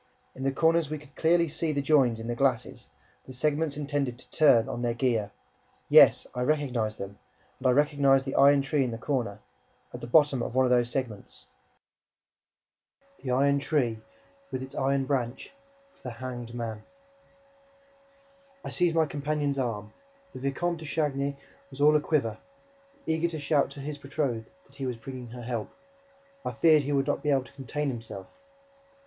In the corners, we could clearly see the "joins" in the glasses, the segments intended to turn on their gear; yes, I recognized them and I recognized the iron tree in the corner, at the bottom of one of those segments ... the iron tree, with its iron branch, for the hanged men. I seized my companion's arm: the Vicomte de Chagny was all a quiver, eager to shout to his betrothed that he was bringing her help. I feared that he would not be able to contain himself.